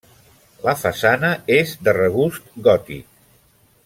La façana és de regust gòtic.